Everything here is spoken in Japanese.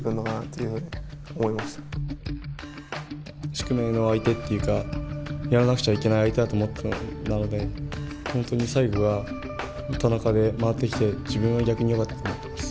宿命の相手っていうかやらなくちゃいけない相手だと思っていたのでなので本当に最後は田中で回ってきて自分は逆によかったと思っています。